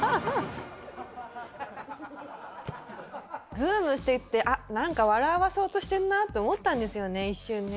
ズームしていって、あっ、なんか笑わそうとしてんなって思ったんですよね、一瞬ね。